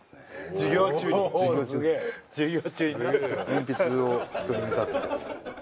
鉛筆を人に見立てて。